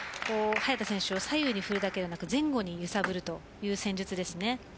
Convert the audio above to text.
早田選手を左右に振るだけではなく前後に揺さぶるという戦術です。